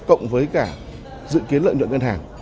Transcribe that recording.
cộng với cả dự kiến lợi nhuận ngân hàng